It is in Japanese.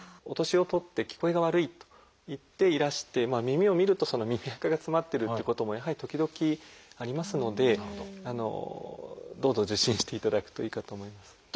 お年を取って聞こえが悪いといっていらして耳を診ると耳あかが詰まってるっていうこともやはり時々ありますのでどうぞ受診していただくといいかと思います。